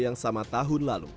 yang sama tahun lalu